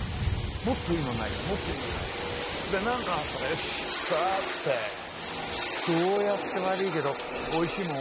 もっといいのないかもっといいのないかってそれで何かあったら「よしさてどうやって悪いけどおいしいもん